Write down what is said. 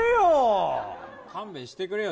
勘弁してくれよ。